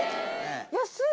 安い。